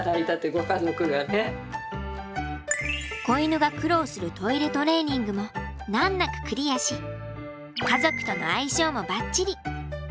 子犬が苦労するトイレトレーニングも難なくクリアし家族との相性もバッチリ。